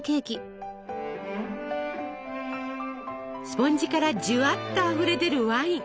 スポンジからじゅわっとあふれ出るワイン。